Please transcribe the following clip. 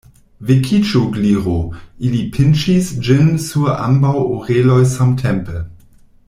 "Vekiĝu, Gliro!" Ili pinĉis ĝin sur ambaŭ oreloj samtempe.